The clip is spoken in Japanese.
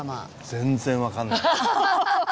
全然わからない。